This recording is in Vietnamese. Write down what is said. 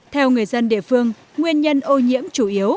theo người dân địa phương nguyên nhân ô nhiễm chủ yếu là do